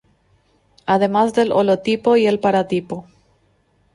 Además del holotipo y el paratipo.